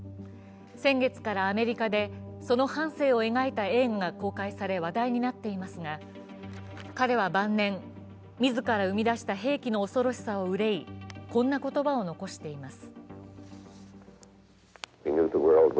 先月からアメリカで、その半生を描いた映画が公開され、話題になっていますが彼は晩年、自ら生み出した兵器の恐ろしさを憂い、こんな言葉を残しています。